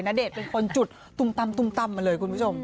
ณเดชน์เป็นคนจุดตุมตั้มมาเลยคุณผู้ชม